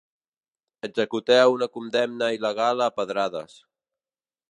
Executeu una condemna il·legal a pedrades.